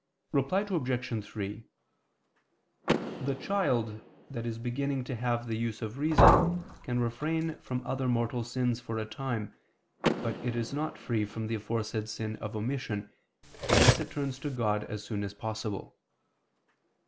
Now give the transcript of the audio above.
Reply Obj. 3: The child that is beginning to have the use of reason can refrain from other mortal sins for a time, but it is not free from the aforesaid sin of omission, unless it turns to God as soon as possible.